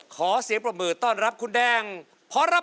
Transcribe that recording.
ขอเสียบประมูลต้อนรับคุณแดงพรพัฒน์ครับ